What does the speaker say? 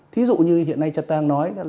thí dụ như hiện nay trật tăng nói